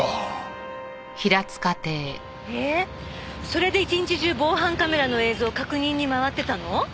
それで一日中防犯カメラの映像を確認に回ってたの？